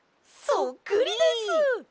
そっくりです！